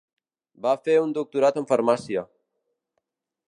Va fer un doctorat en farmàcia.